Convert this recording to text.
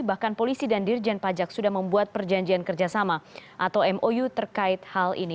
bahkan polisi dan dirjen pajak sudah membuat perjanjian kerjasama atau mou terkait hal ini